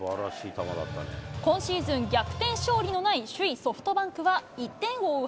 今シーズン逆転勝利のない首位ソフトバンクは１点を追う